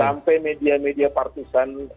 sampai media media partisan